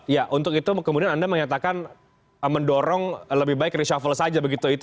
ya untuk itu kemudian anda mengatakan mendorong lebih baik reshuffle saja begitu